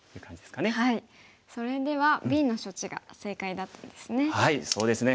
それではＢの処置が正解だったんですね。